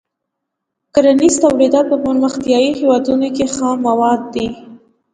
کرنیز تولیدات په پرمختیايي هېوادونو کې خام مواد دي.